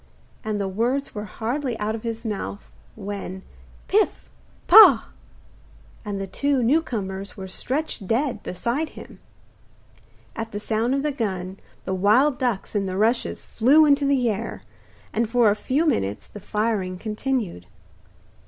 And the words were hardly out of his mouth, when 'Pif! pah!' and the two new comers were stretched dead beside him. At the sound of the gun the wild ducks in the rushes flew into the air, and for a few minutes the firing continued.